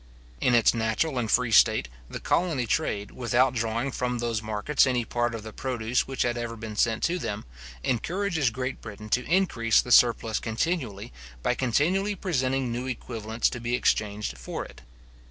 In its natural and free state, the colony trade, without drawing from those markets any part of the produce which had ever been sent to them, encourages Great Britain to increase the surplus continually, by continually presenting new equivalents to be exchanged for it.